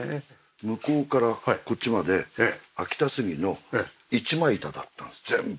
向こうからこっちまで秋田スギの一枚板だったんです全部。